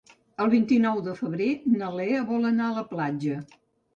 El vint-i-nou de febrer na Lea vol anar a la platja.